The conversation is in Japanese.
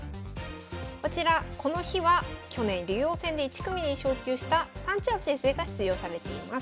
こちらこの日は去年竜王戦で１組に昇級したさんちゃん先生が出場されています。